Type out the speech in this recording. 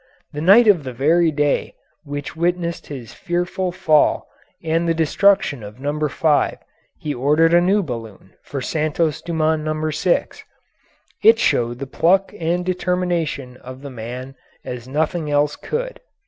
The night of the very day which witnessed his fearful fall and the destruction of No. 5 he ordered a new balloon for "Santos Dumont No. 6." It showed the pluck and determination of the man as nothing else could.